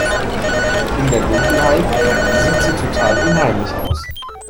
In der Dunkelheit sieht sie total unheimlich aus.